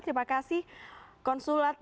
terima kasih konsulat